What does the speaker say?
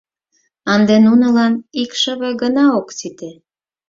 Ынде нунылан икшыве гына ок сите.